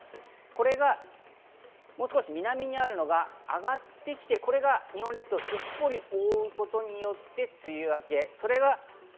これがもう少し南にあるのが上がってきて、これが日本列島をすっぽり覆うことによって梅雨明け。